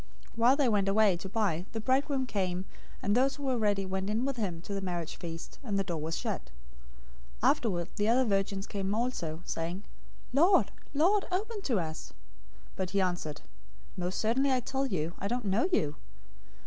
025:010 While they went away to buy, the bridegroom came, and those who were ready went in with him to the marriage feast, and the door was shut. 025:011 Afterward the other virgins also came, saying, 'Lord, Lord, open to us.' 025:012 But he answered, 'Most certainly I tell you, I don't know you.'